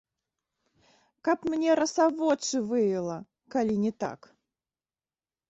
Каб мне раса вочы выела, калі не так!